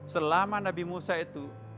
selama nabi musa itu